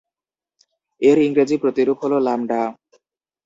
এর ইংরেজি প্রতিরূপ হল "লামডা"।